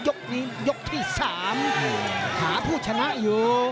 ยกนี้ยกที่๓หาผู้ชนะอยู่